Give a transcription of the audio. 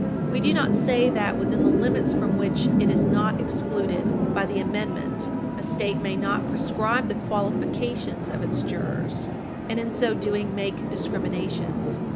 310 We do not say that, within the limits from which it is not excluded by the amendment, a State may not prescribe the qualifications of its jurors, and, in so doing, make discriminations.